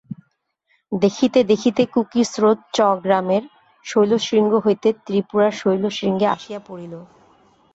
দেখিতে দেখিতে কুকির স্রোত চ-গ্রামের শৈলশৃঙ্গ হইতে ত্রিপুরার শৈলশৃঙ্গে আসিয়া পড়িল।